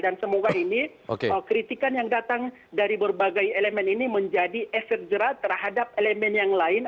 dan semoga ini kritikan yang datang dari berbagai elemen ini menjadi efek jerat terhadap elemen yang lain